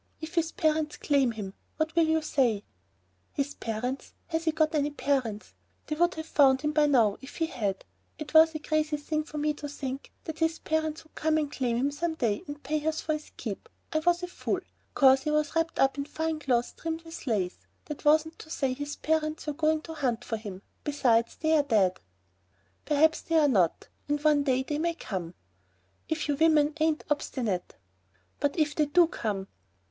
"If his parents claim him, what will you say?" "His parents! Has he got any parents? They would have found him by now if he had. It was a crazy thing for me to think that his parents would come and claim him some day and pay us for his keep. I was a fool. 'Cause he was wrapped up in fine clothes trimmed with lace, that wasn't to say that his parents were going to hunt for him. Besides, they're dead." "Perhaps they're not. And one day they may come...." "If you women ain't obstinate!" "But if they do come?"